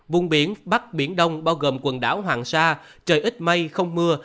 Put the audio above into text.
vùng biển bắc biển đông bao gồm quần đảo hoàng sa trời ít mây không mưa